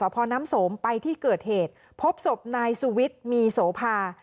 พอน้ำสมไปที่เกิดเหตุพบศพนายสุวิทย์มีโสภา